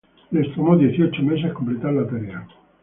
Les tomó dieciocho meses completar la tarea.